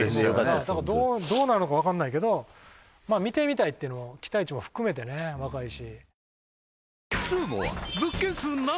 だからどうなるのかわからないけどまあ見てみたいっていう期待値も含めてね若いし。